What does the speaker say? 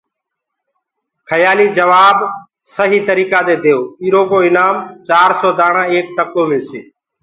کيآليٚ جبآب سهيٚ تريٚڪآ دي دئيو ايٚرو ايٚنآم چآرسو دآڻآ ايڪ ٽڪو ملسيٚ